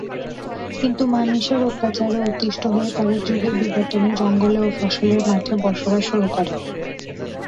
কিন্তু মানুষের অত্যাচারে অতিষ্ঠ হয়ে তাঁরা যুগের বিবর্তনে জঙ্গলে ও ফসলের মাঠে বসবাস শুরু করে।